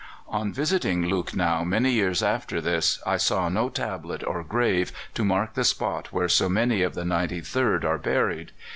"On revisiting Lucknow many years after this I saw no tablet or grave to mark the spot where so many of the 93rd are buried.